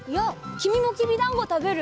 きみもきびだんごたべる？